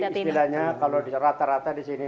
jadi istilahnya kalau rata rata disini